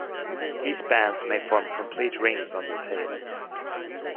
These bands may form complete rings on the tail.